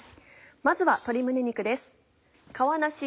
まずは鶏胸肉です。